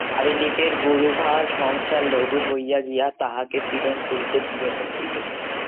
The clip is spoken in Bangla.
চারি দিকের গুরুভার সংসার লঘু হইয়া গিয়া তাহাকে পীড়ন করিতে বিরত হইল।